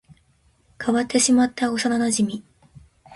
変わってしまった幼馴染